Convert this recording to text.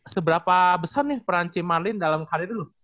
seberapa besar nih peran ci marlin dalam karir lu